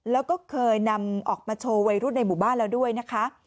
แล้วก็เคยนำออกมาโชว์วัยรุ่นในหมู่บ้านแล้วด้วยนะคะ